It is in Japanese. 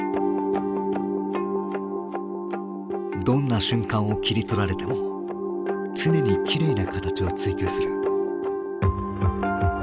どんな瞬間を切り取られても常にきれいな形を追求する。